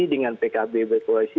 dengan pkb berkoalisi